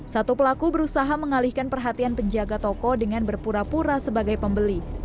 satu pelaku berusaha mengalihkan perhatian penjaga toko dengan berpura pura sebagai pembeli